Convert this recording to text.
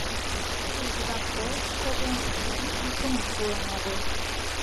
Тудо ик жап колышт шоген, ик йӱкымат пуэн огыл.